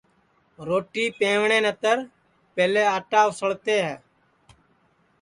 روٹی پَوٹؔے نتے پہلے آٹا اُسݪتے ہے